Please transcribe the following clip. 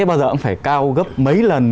bao giờ cũng phải cao gấp mấy lần